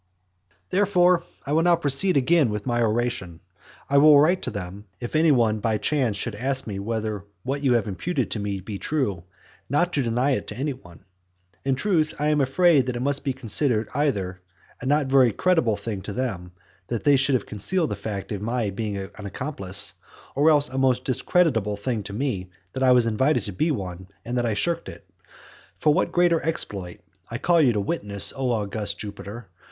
Therefore, I will now proceed again with my oration. I will write to them, if any one by chance should ask whether what you have imputed to me be true, not to deny it to any one. In truth, I am afraid that it must be considered either a not very creditable thing to them, that they should have concealed the fact of my being an accomplice; or else a most discreditable one to me that I was invited to be one, and that I shirked it. For what greater exploit (I call you to witness, O august Jupiter!)